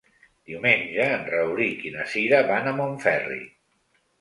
Diumenge en Rauric i na Cira van a Montferri.